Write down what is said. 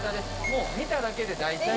もう見ただけで大体。